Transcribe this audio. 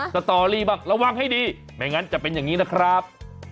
สตอรี่บ้างระวังให้ดีไม่งั้นจะเป็นอย่างนี้นะครับ